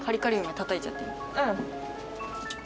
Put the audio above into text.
うん。